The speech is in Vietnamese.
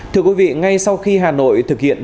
thưa quý vị ngay sau khi hà nội thực hiện